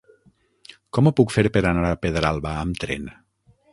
Com ho puc fer per anar a Pedralba amb tren?